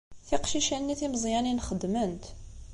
Tiqcicin-nni timeẓyanin xeddment.